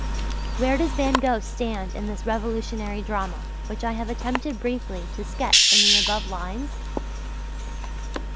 Where does Van Gogh stand in this revolutionary drama which I have attempted briefly to sketch in the above lines?